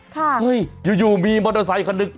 เฮ้ยอยู่มีมอเตอร์ไซคันหนึ่ง